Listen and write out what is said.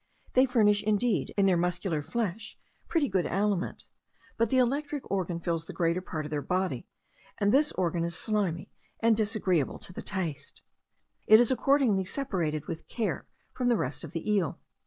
They furnish, indeed, in their muscular flesh, pretty good aliment; but the electric organ fills the greater part of their body, and this organ is slimy, and disagreeable to the taste; it is accordingly separated with care from the rest of the eel.